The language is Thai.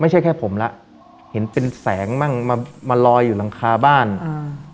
ไม่ใช่แค่ผมแล้วเห็นเป็นแสงมั่งมามาลอยอยู่หลังคาบ้านอ่า